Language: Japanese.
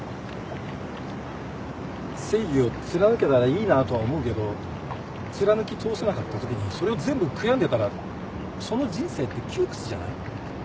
正義を貫けたらいいなとは思うけど貫き通せなかったときにそれを全部悔やんでたらその人生って窮屈じゃない？